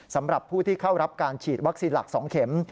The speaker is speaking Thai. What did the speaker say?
สำหรับผู้ที่เข้ารับการฉีดวัคซีนหลัก๒เข็ม